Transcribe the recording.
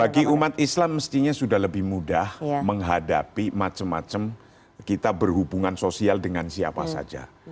bagi umat islam mestinya sudah lebih mudah menghadapi macam macam kita berhubungan sosial dengan siapa saja